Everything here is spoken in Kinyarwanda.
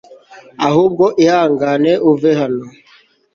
ahubwo ihangane uve hano